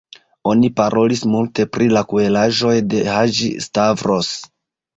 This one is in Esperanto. Oni parolis multe pri la kruelaĵoj de Haĝi-Stavros.